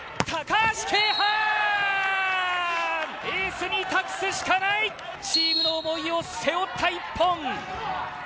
エースに託すしかないチームの思いを背負った１本。